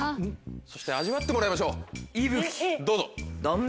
そして味わってもらいましょうどうぞ。